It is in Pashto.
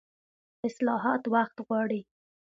اصلاحات وخت غواړي